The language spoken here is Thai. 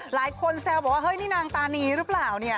หลายคนแซวแบบว่านางตานีหรือเปล่า